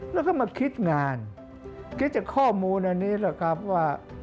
แล้วก็มาคิดงานคิดจากข้อมูลอันนี้แหละครับว่า